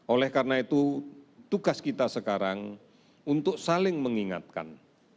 oleh karena itu tugas kita sekarang untuk saling mengingatkan